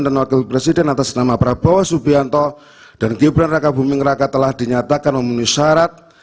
dan wakil presiden atas nama prabowo subianto dan gibran raka buming raka telah dinyatakan memenuhi syarat